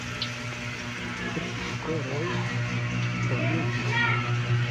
Tri korojn, bonege